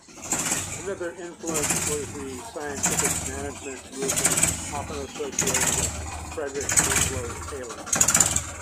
Another influence was the "Scientific Management" movement, often associated with Frederick Winslow Taylor.